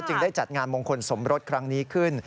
ได้จัดงานมงคลสมรสครั้งนี้ขึ้น